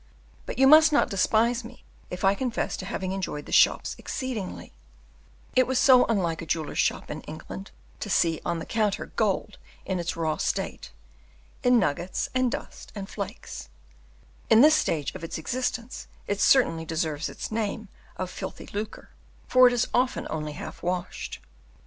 But you must not despise me if I confess to having enjoyed the shops exceedingly: it was so unlike a jeweller's shop in England to see on the counter gold in its raw state, in nuggets and dust and flakes; in this stage of its existence it certainly deserves its name of "filthy lucre," for it is often only half washed.